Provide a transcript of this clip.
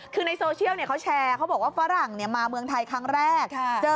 คือในโซเชียลเขาแชร์เขาบอกว่าฝรั่งมาเมืองไทยครั้งแรก